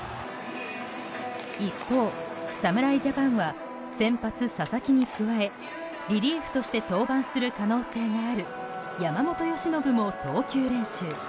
一方、侍ジャパンは先発・佐々木に加えリリーフとして登板する可能性がある山本由伸も投球練習。